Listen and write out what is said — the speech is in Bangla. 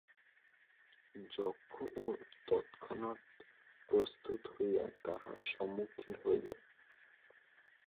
যক্ষও তৎক্ষণাৎ প্রস্তুত হইয়া তাঁহার সম্মুখীন হইল।